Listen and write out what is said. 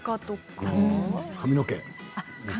髪の毛？